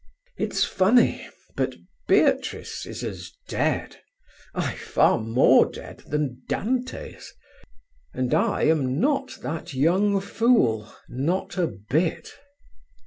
"It's funny, but Beatrice is as dead—ay, far more dead—than Dante's. And I am not that young fool, not a bit.